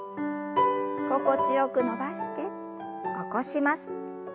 心地よく伸ばして起こします。